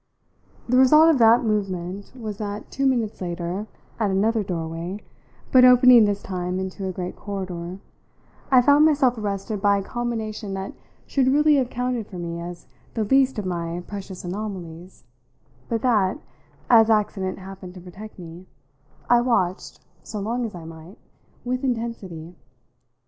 The result of that movement was that, two minutes later, at another doorway, but opening this time into a great corridor, I found myself arrested by a combination that should really have counted for me as the least of my precious anomalies, but that as accident happened to protect me I watched, so long as I might, with intensity.